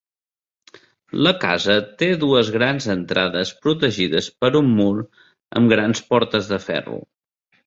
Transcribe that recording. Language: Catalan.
La casa té dues grans entrades protegides per un mur amb grans portes de ferro.